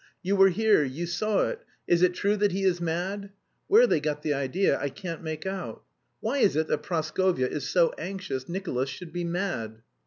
'You were here, you saw it, is it true that he is mad?' Where they got the idea I can't make out. Why is it that Praskovya is so anxious Nicolas should be mad?